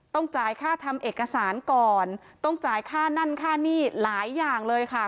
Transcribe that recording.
ต้องจ่ายค่าทำเอกสารก่อนต้องจ่ายค่านั่นค่านี่หลายอย่างเลยค่ะ